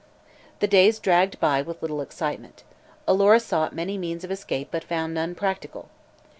The days dragged by with little excitement. Alora sought many means of escape but found none practical.